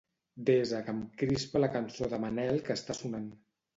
Desa que em crispa la cançó de Manel que està sonant.